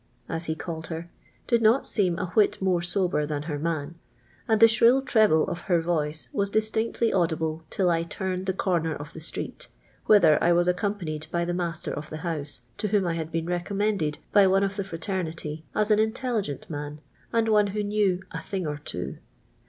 as he calleil her, did not ►e:'m a wliit more sober than her man ; and the y'lir'.ll treble of h r voice was distinctly audible till I turned the corner of the street, whither I was accimipanied by the nia&ter of the hou e. to whom I had been re rummended by one of the fraternity as :in intel liirent man. and one who knew *■ a thing or two."